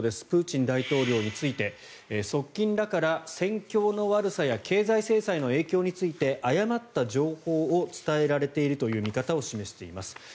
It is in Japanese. プーチン大統領について側近らから戦況の悪さや経済制裁の影響について誤った情報を伝えられているという見方を示しています。